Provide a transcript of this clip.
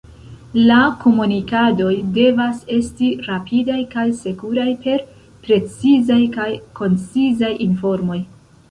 La komunikadoj devas esti rapidaj kaj sekuraj per precizaj kaj koncizaj informoj.